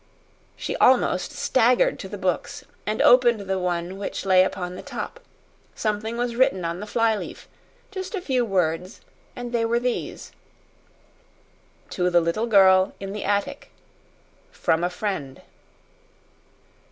She almost staggered to the books and opened the one which lay upon the top. Something was written on the flyleaf just a few words, and they were these: "To the little girl in the attic. From a friend."